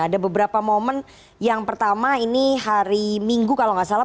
ada beberapa momen yang pertama ini hari minggu kalau nggak salah